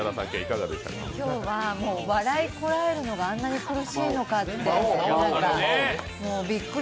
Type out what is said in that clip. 今日は笑いこらえるのがあんなに苦しいのかってびっくり。